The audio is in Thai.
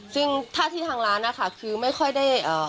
ซึ่งถ้าที่ทางร้านนะคะคือไม่ค่อยได้